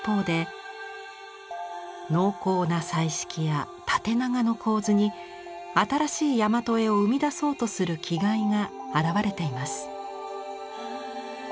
濃厚な彩色や縦長の構図に新しいやまと絵を生み出そうとする気概が表れています。